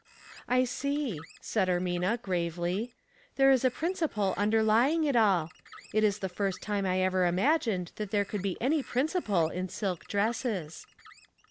" I see," said Ermina, gravely. " There is a principle underlying it all. It is the first time I ever imagined that there could be any prin ciple in silk dresses."